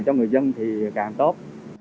cho người dân thì càng tốt